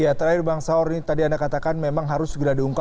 ya terakhir bang saur ini tadi anda katakan memang harus segera diungkap